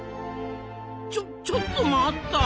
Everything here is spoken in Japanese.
ちょちょっと待った！